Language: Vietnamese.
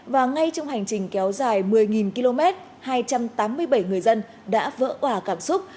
và ngay trong hành trình kéo dài một mươi km hai trăm tám mươi bảy người dân đã vỡ hỏa cảm xúc